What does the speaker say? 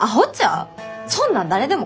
そんなん誰でも断るわ！